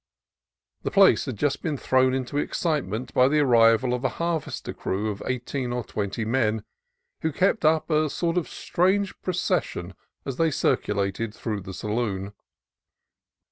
The place had just been thrown into excitement by the arrival of a har vester crew of eighteen or twenty men, who kept up a sort of stage procession as they circulated through the saloon.